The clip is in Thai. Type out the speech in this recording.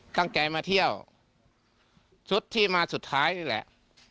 ตั้งใจมาเที่ยวชุดที่มาสุดท้ายนี่แหละ